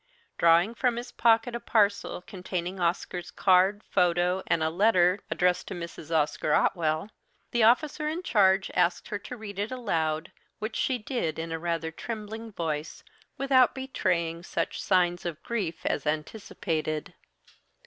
Drawing from his pocket a parcel containing Oscar's card, photo, and a letter addressed to Mrs. Oscar Otwell, the officer in charge asked her to read it aloud, which she did in a rather trembling voice, without betraying such signs of grief as anticipated.